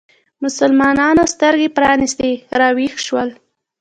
مسلمانانو سترګې پرانیستې راویښ شول